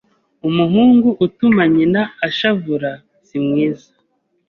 umuhungu utuma nyina ashavura si mwiza